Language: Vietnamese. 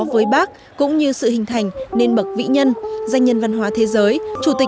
với bác cũng như sự hình thành nên bậc vĩ nhân danh nhân văn hóa thế giới